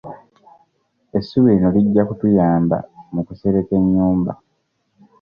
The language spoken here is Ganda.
Essubi lino lijja kutuyamba mu kusereka ennyumba.